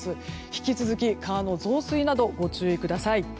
引き続き川の増水などご注意ください。